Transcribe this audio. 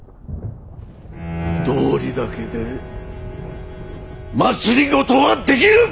道理だけで政はできぬ！